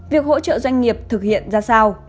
việc hỗ trợ doanh nghiệp thực hiện ra sao